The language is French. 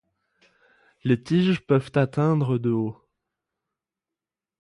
Les tiges peuvent atteindre de haut.